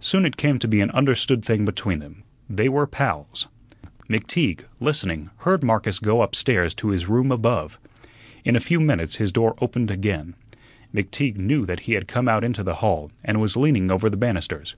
Soon it came to be an understood thing between them. They were "pals." McTeague, listening, heard Marcus go up stairs to his room above. In a few minutes his door opened again. McTeague knew that he had come out into the hall and was leaning over the banisters.